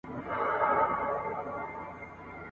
زه به په هغه ورځ ..